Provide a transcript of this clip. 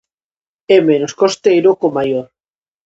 É menos costeiro co maior.